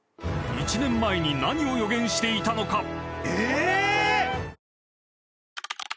［１年前に何を予言していたのか？］